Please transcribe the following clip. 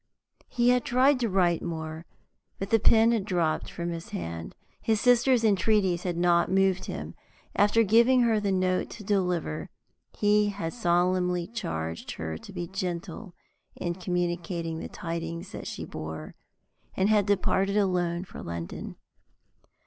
He had tried to write more, but the pen had dropped from his hand. His sister's entreaties had not moved him. After giving her the note to deliver, he had solemnly charged her to be gentle in communicating the tidings that she bore, and had departed alone for London.